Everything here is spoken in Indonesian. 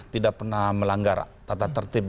tidak pernah melanggar tata tertib